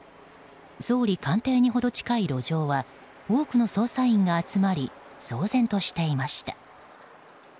総理官邸に程近い路上は多くの捜査員が集まり騒然としていました。